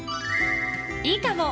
いいかも！